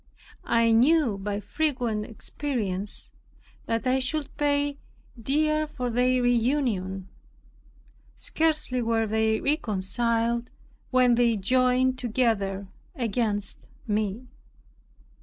I knew by frequent experience that I should pay dear for their reunion. Scarcely were they reconciled when they joined together against me.